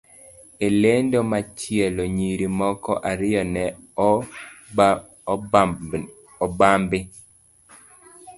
E lendo machielo, nyiri moko ariyo ne obambi,